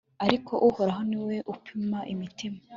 ariko uhoraho ni we upima imitima